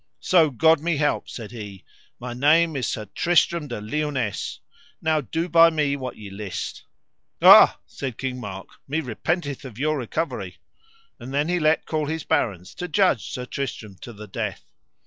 So God me help, said he, my name is Sir Tristram de Liones; now do by me what ye list. Ah, said King Mark, me repenteth of your recovery. And then he let call his barons to judge Sir Tristram to the death.